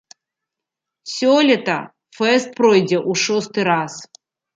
Сёлета фэст пройдзе ў шосты раз.